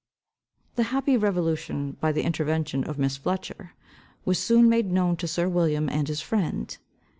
The happy revolution, by the intervention of Miss Fletcher, was soon made known to sir William and his friend.